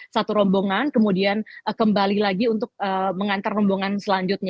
satu rombongan kemudian kembali lagi untuk mengantar rombongan selanjutnya